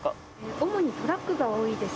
主にトラックが多いです。